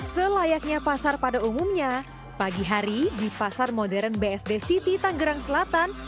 selayaknya pasar pada umumnya pagi hari di pasar modern bsd city tanggerang selatan